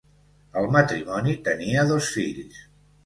El matrimoni tenia dos fills.